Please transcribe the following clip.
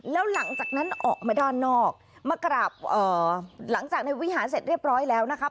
แล้วหลังจากนั้นออกมาด้านนอกมากราบหลังจากในวิหารเสร็จเรียบร้อยแล้วนะคะ